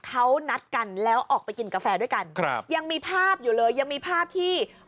เขานัดกันแล้วออกไปกินกาแฟด้วยกันครับยังมีภาพอยู่เลยยังมีภาพที่